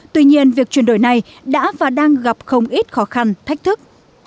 tuy nhiên việc chuyển đổi này đã và đang gặp không ít khó khăn thách thức